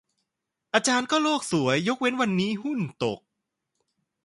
อาจารย์ก็โลกสวย ยกเว้นวันนี้หุ้นตก